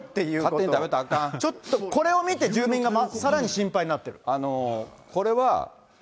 ちょっとこれを見て、住民がさらに心配になってる。